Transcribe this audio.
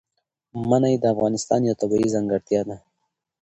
منی د افغانستان یوه طبیعي ځانګړتیا ده.